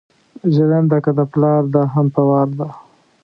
ژېرنده که ده پلار ده هم په وار ده